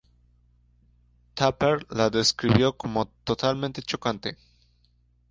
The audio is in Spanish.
Tupper la describió como "totalmente chocante".